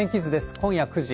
今夜９時。